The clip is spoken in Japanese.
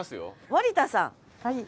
森田さん。